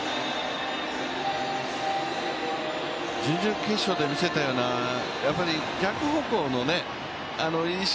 準々決勝で見せたような逆方向の意識